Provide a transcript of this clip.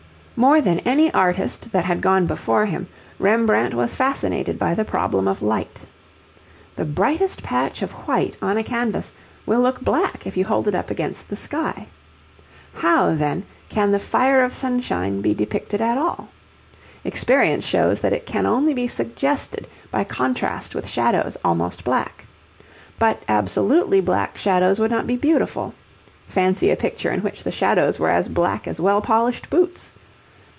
More than any artist that had gone before him, Rembrandt was fascinated by the problem of light. The brightest patch of white on a canvas will look black if you hold it up against the sky. How, then, can the fire of sunshine be depicted at all? Experience shows that it can only be suggested by contrast with shadows almost black. But absolutely black shadows would not be beautiful. Fancy a picture in which the shadows were as black as well polished boots!